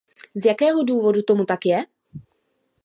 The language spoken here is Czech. Z jakého důvodu tomu tak je?